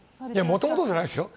もともとじゃないですよ。